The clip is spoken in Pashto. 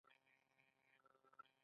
الوبالو د غزني نښه ده.